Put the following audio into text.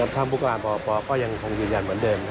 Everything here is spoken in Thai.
กับท่านบุคคลานปปก็ยังคงคิดยันต์เหมือนเดิม